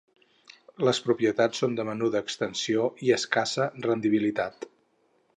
Les propietats són de menuda extensió i escassa rendibilitat.